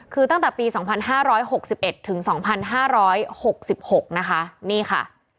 คือตั้งแต่ปี๒๕๖๑ถึง๒๕๖๖นะคะนี่ค่ะ